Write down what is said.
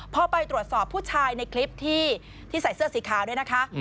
พอไปตรวจสอบผู้ชายในคลิปที่ใส่เสื้อสีขาวด้วยนะคะ